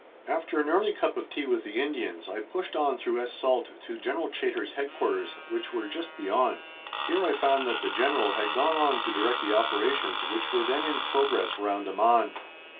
After an early cup of tea with the Indians, I pushed on through Es Salt to General Chaytor's Headquarters, which were just beyond. Here I found that the General had gone on to direct the operations which were then in progress round Amman.